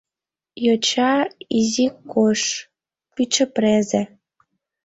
Йоча, изи кож, пӱчыпрезе.